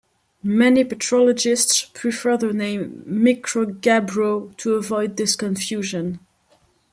Many petrologists prefer the name "microgabbro" to avoid this confusion.